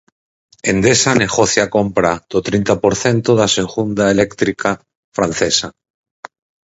Endesa negocia a compra do trinta por cento da segunda eléctrica francesa